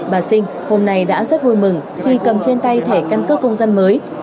bà sinh hôm nay đã rất vui mừng khi cầm trên tay thẻ căn cước công dân mới